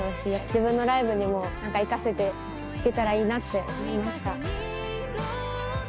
自分のライブにも生かせていけたらいいなって思いました。